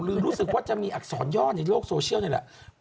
รู้สึกว่าจะมีอักษรย่อในโลกโซเชียลนี่แหละ